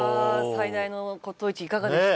最大の骨董市いかがでした？